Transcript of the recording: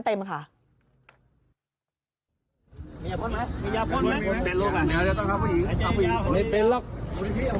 มียาพ่นไหมมียาพ่นไหม